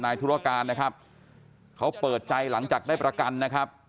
ธุรการนะครับเขาเปิดใจหลังจากได้ประกันนะครับ